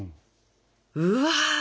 うわ！